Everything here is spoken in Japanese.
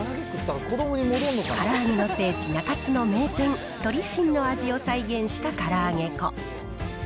から揚げの聖地、中津の名店、鳥しんの味を再現したから揚げ粉。